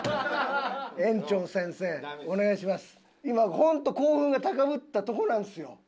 今ホント興奮が高ぶったとこなんすよ。